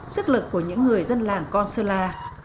sức lực của những người dân làng con sơn la